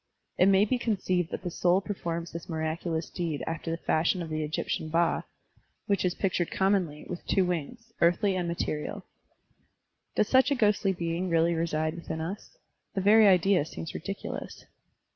It may be conceived that the soul performs this miraculous deed after the fashion of the Egyptian Ba, which Digitized by Google 40 SERMONS OP A BUDDHIST ABBOt is pictured commonly with two wings, earthly and material. Does such a ghostly being really reside within us? The very idea seems ridiculous.